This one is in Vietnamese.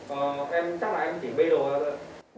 ờ em chắc là em chỉ bê đồ ra thôi